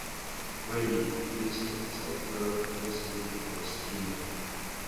Remy, triste, es capturado al día siguiente por Skinner.